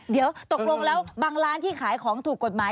เดี๋ยวตกลงแล้วบางร้านที่ขายของถูกกฎหมาย